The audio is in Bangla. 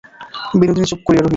বিনোদিনী চুপ করিয়া রহিল।